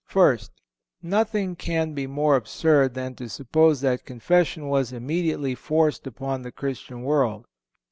First, nothing can be more absurd than to suppose that Confession was immediately forced upon the Christian world.